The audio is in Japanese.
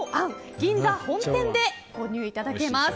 銀座本店で購入いただけます。